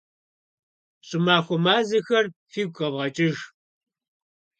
ЩӀымахуэ мазэхэр фигу къэвгъэкӀыж.